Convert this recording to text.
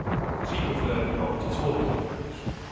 She preferred not to talk in French.